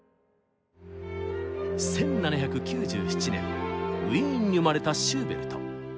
１７９７年ウィーンに生まれたシューベルト。